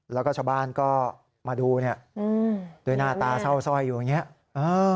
แล้วก็ชาวบ้านก็มาดูเนี่ยด้วยหน้าตาเศร้าสร้อยอยู่อย่างนี้